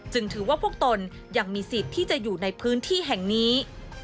ถือว่าพวกตนยังมีสิทธิ์ที่จะอยู่ในพื้นที่แห่งนี้